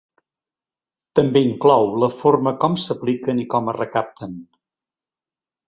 També inclou la forma com s’apliquen i com es recapten.